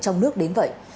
trong nước đến vậy